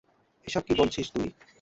এসব কি বলছিস তুই?